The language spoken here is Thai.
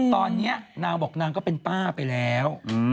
ตอนนี้นางบอกนางก็เป็นป้าไปแล้ว